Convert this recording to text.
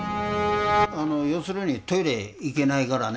要するにトイレ行けないからね。